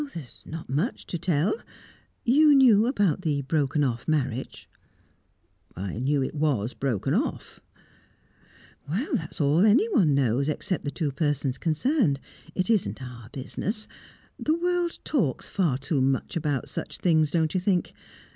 "There's not much to tell. You knew about the broken off marriage?" "I knew it was broken off." "Why, that's all anyone knows, except the two persons concerned. It isn't our business. The world talks far too much about such things don't you think?